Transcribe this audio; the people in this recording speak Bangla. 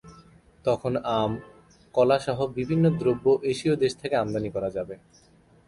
তখন আম, কলা সহ বিভিন্ন দ্রব্য এশীয় দেশ থেকে আমদানি করা যাবে।